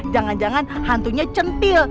jangan jangan hantunya centil